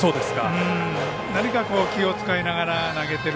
何か、気を遣いながら投げている。